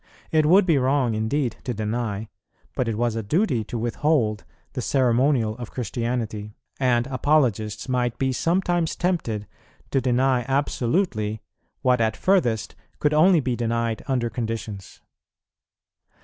It would be wrong indeed to deny, but it was a duty to withhold, the ceremonial of Christianity; and Apologists might be sometimes tempted to deny absolutely what at furthest could only be denied under conditions.